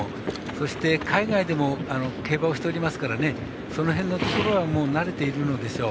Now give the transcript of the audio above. そして海外でも競馬をしておりますからその辺のところは慣れているのでしょう。